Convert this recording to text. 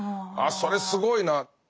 あそれすごいな。